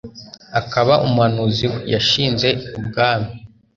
akaba umuhanuzi we; yashinze ubwami